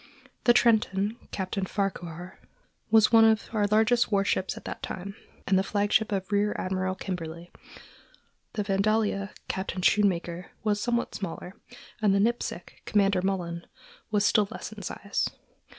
The Trenton, Captain Farquhar, was one of our largest war ships at that time, and the flagship of Rear Admiral Kimberley; the Vandalia, Captain Schoonmaker, was somewhat smaller, and the Nipsic, Commander Mullan, was still less in size.